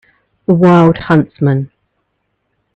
The wild huntsman